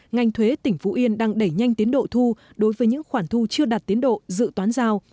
ngành thuế tỉnh phú yên đang đẩy nhanh tiến độ thu đối với những khoản thu chưa đạt tiến độ dự toán giao